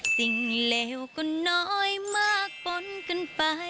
เลวก็น้อยมากปนกันไป